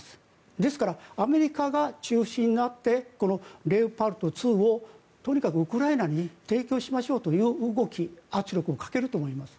ですからアメリカが中心になってこのレオパルト２をとにかくウクライナに提供しましょうという動き圧力をかけると思います。